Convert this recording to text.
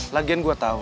lagian gue tau